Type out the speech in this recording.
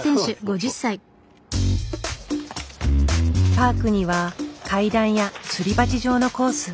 パークには階段やすり鉢状のコース。